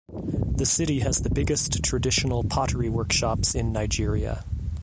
The city has the biggest traditional pottery workshops in Nigeria.